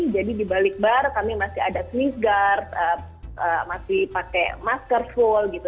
jadi di balik bar kami masih ada sneeze guard masih pakai masker full gitu